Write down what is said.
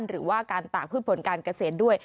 หรือว่าการตากพืชผลการเกษตรด้วย